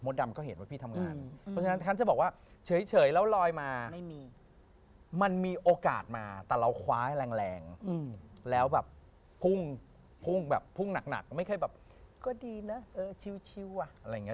แล้วแบบพุ่งแบบพุ่งหนักไม่เคยแบบก็ดีนะเออชิวว่ะอะไรอย่างนี้